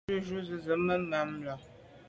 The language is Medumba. Jù jujù ze màa na là.